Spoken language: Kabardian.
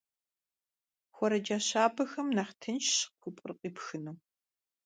Xuerece şabexem nexh tınşşş kupkhır khipxınu.